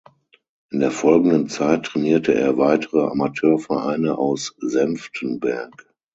In der folgenden Zeit trainierte er weitere Amateurvereine aus Senftenberg.